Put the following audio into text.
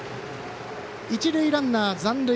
一塁ランナー、残塁。